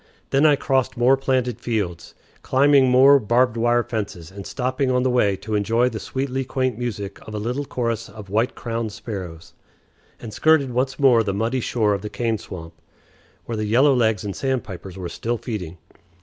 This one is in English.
Then I crossed more planted fields, climbing more barbed wire fences, and stopping on the way to enjoy the sweetly quaint music of a little chorus of white crowned sparrows, and skirted once more the muddy shore of the cane swamp, where the yellowlegs and sandpipers were still feeding.